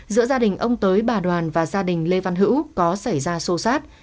giữa gia đình ông tới bà đoàn và gia đình lê văn hữu có xảy ra xô xát